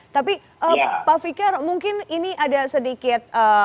tapi pak fikar mungkin ini ada sedikit